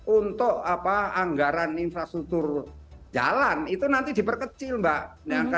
untuk anggaran infrastruktur jalan itu nanti diperkecil mbak